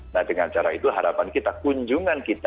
nah dengan cara itu harapan kita kunjungan kita